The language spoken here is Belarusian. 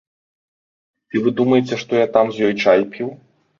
Ці вы думаеце, што я там з ёй чай піў?